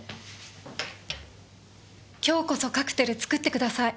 今日こそカクテル作ってください。